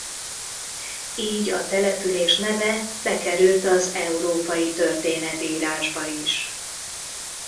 Így a település neve bekerült az európai történetírásba is.